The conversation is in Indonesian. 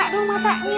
buka dong matanya